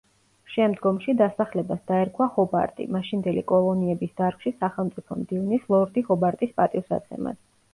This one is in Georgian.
შემდგომში დასახლებას დაერქვა ჰობარტი, მაშინდელი კოლონიების დარგში სახელმწიფო მდივნის ლორდი ჰობარტის პატივსაცემად.